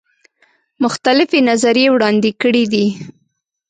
مختلفي نظریې وړاندي کړي دي.